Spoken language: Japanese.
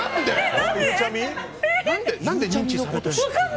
何で？